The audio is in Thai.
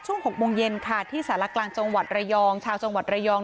ช่วงหกโมงเย็นค่ะที่สารกลางจังหวัดระยอง